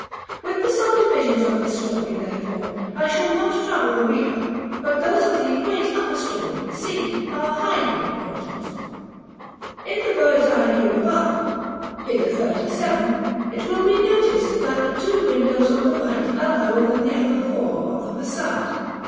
With the subdivisions of this story, therefore, I shall not trouble the reader; but those of the great upper story, C, are highly important. § VII. In the bird's eye view above, fig. XXXVII., it will be noticed that the two windows on the right are lower than the other four of the façade.